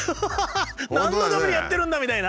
何のためにやってるんだみたいな。